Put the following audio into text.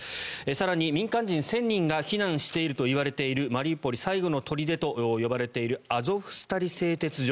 更に、民間人１０００人が避難しているといわれているマリウポリ最後の砦と呼ばれているアゾフスタリ製鉄所。